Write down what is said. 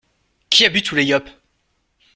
Qui a bu tous les Yops?!